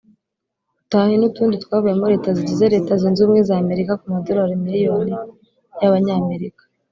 Utah n’utundi twavuyemo Leta zigize Leta zunze ubumwe za Amerika ku madolari miliyoni y’abanyamerika